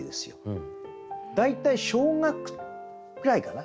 大体小学ぐらいかな。